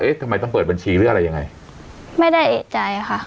ทำไมต้องเปิดบัญชีหรืออะไรยังไงไม่ได้เอกใจค่ะ